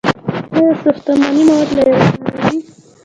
آیا ساختماني مواد له ایران نه راځي؟